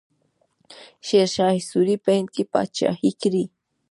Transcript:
شیرشاه سوري په هند کې پاچاهي کړې.